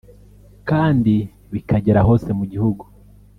kandi bikagera hose mu gihugu